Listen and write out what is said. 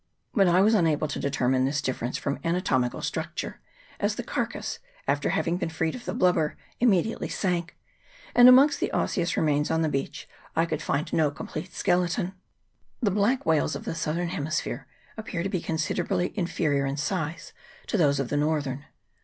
But I was unable to determine this difference from anatomical structure, as the carcase, after having been freed of the blubber, immediately sank, and amongst the osseous remains on the beach I could find no com plete skeleton. The black whales of the southern hemisphere ap pear to be considerably inferior in size to those of the northern.